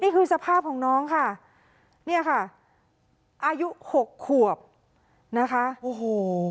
สภาพของน้องค่ะเนี่ยค่ะอายุหกขวบนะคะโอ้โห